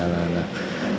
trong thời gian này